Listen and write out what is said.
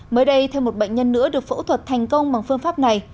mới đây thêm một bệnh nhân nữa được phẫu thuật thành công bằng phương pháp này